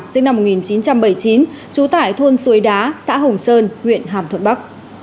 sinh năm một nghìn chín trăm bảy mươi chín trú tại thôn suối đá xã hồng sơn huyện hàm thuận bắc